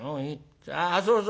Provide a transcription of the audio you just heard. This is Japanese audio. あっそうそう。